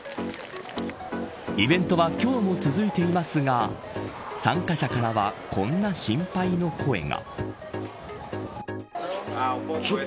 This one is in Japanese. イベントは今日も続いていますが参加者からはこんな心配の声が。